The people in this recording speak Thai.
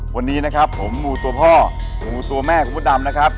วันนี้นะครับผมหมูตัวพ่อหมูตัวแม่คุณพระดำนะครับ